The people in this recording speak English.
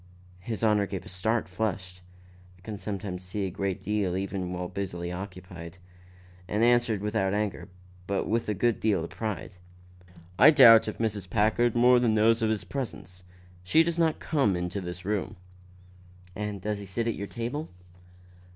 His Honor gave a start, flushed (I can sometimes see a great deal even while very busily occupied) and answered without anger, but with a good deal of pride: "I doubt if Mrs. Packard more than knows of his presence. She does not come to this room." "And he does not sit at your table?"